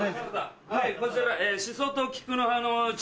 はいこちら。